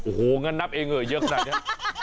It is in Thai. โอ้โหงั้นนับเองเหรอเยอะขนาดนี้